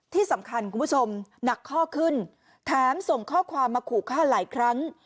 ที่สำคัญคุณผู้ชมหนักข้อขึ้นแถมส่งข้อความมาขู่ฆ่าหลายครั้ง